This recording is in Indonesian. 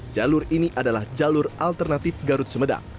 jalur ini adalah jalur alternatif garut sumedang